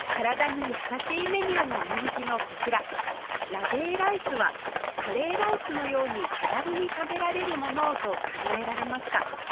ラゲーライスはカレーライスのように手軽に食べられるものをと考えられました